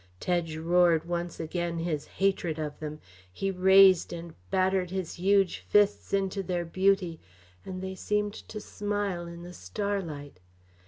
Tedge roared once again his hatred of them; he raised and battered his huge fists into their beauty, and they seemed to smile in the starlight.